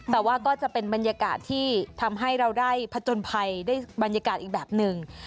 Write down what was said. แต่ว่าก็จะเป็นบรรยากาศที่ทำให้เราได้ผจญภัยได้บรรยากาศอีกแบบหนึ่ง